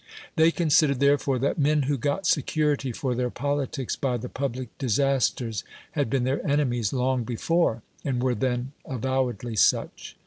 They considered, therefore, that men who got security for their politics by the public dis asters had been their enemies long before, and were then avowedly such.